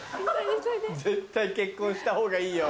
絶対結婚したほうがいいよ。